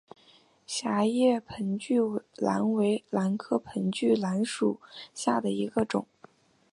狭叶盆距兰为兰科盆距兰属下的一个种。